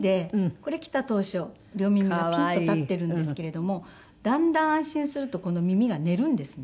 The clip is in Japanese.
これ来た当初両耳がピンと立っているんですけれどもだんだん安心するとこの耳が寝るんですね。